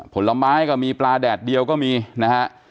ผลไม้ก็มีปลาแดดเดียวก็มีนะฮะ